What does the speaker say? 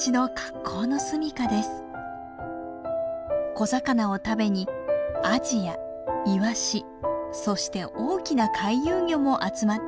小魚を食べにアジやイワシそして大きな回遊魚も集まってきます。